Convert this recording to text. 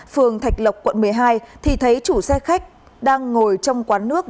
phường thạch lộc quận một mươi hai thì thấy chủ xe khách đang ngồi trong quán nước